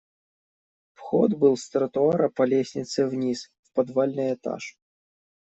Вход был с тротуара по лестнице вниз, в подвальный этаж.